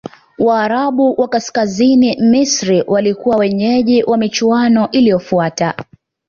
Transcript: waarabu wa kaskazini misri walikuwa wenyeji wa michuano iliyofuata